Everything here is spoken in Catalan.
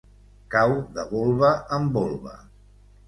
Cau de volva en volva.